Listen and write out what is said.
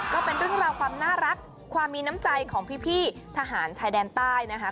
ก็เป็นเรื่องราวความน่ารักความมีน้ำใจของพี่ทหารชายแดนใต้นะคะ